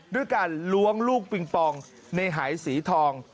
ด้วยการล้วงลูกปิงปองในหายสีทอง